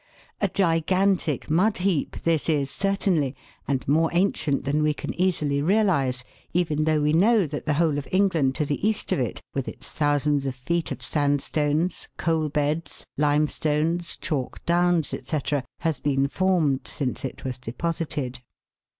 A gigantic mud heap this is, certainly, and more ancient than we can easily realise, even though we know that the whole of England to the east of it, with its thousands of feet of sandstones, coal beds, limestones, chalk downs, &c., has been formed since it was deposited.